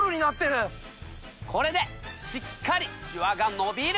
これでしっかりシワがのびる！